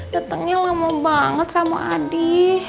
datangnya lama banget sama adi